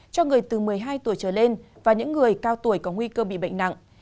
cho người từ một mươi hai tuổi trở lên và những người cao tuổi có nguy cơ bị bệnh nặng